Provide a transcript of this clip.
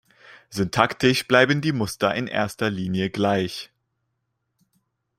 Syntaktisch bleiben die Muster in erster Linie gleich.